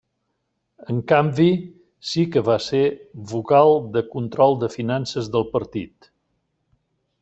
En canvi sí que va ser vocal del control de finances del partit.